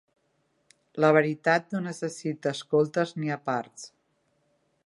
La veritat no necessita escoltes ni aparts.